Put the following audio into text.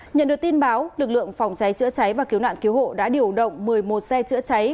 nhận được tin báo lực lượng phòng cháy chữa cháy và cứu nạn cứu hộ đã điều động một mươi một xe chữa cháy